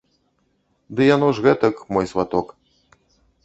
Ды яно ж гэтак, мой сваток.